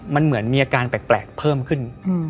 มันเหมือนมีอาการแปลกเพิ่มขึ้น